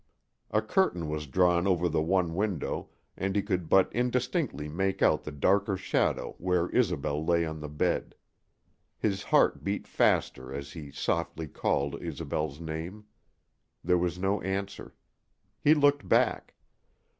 A curtain was drawn over the one window, and he could but indistinctly make out the darker shadow where Isobel lay on the bed. His heart beat faster as he softly called Isobel's name. There was no answer. He looked back.